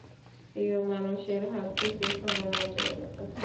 প্রিয় মানুষের হাত থেকে, খাওয়ার মজাই আলাদা।